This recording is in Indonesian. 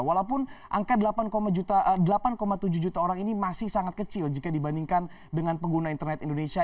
walaupun angka delapan tujuh juta orang ini masih sangat kecil jika dibandingkan dengan pengguna internet indonesia